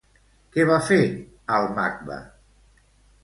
Què va fer al Macba?